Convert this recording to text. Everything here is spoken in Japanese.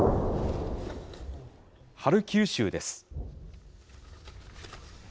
ハルキウ州です。